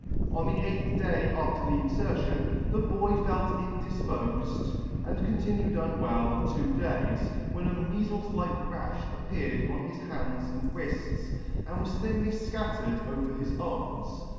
On the eighth day after the infertion, the boy felt indifpofed, and continued unwell two days, when a meafles like rafh ap peared on his hands and wrifts, and was thinly fcattered over his arms.